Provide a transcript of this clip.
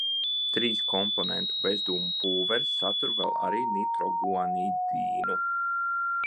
Trīskomponentu bezdūmu pulveris satur vēl arī nitroguanidīnu.